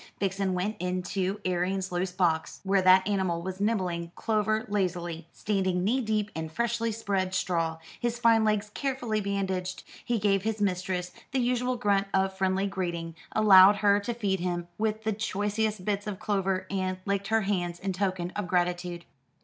Vixen went into Arion's loose box, where that animal was nibbling clover lazily, standing knee deep in freshly spread straw, his fine legs carefully bandaged. He gave his mistress the usual grunt of friendly greeting, allowed her to feed him with the choicest bits of clover, and licked her hands in token of gratitude.